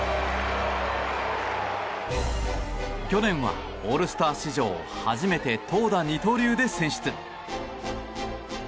去年はオールスター史上初めて投打二刀流で選出。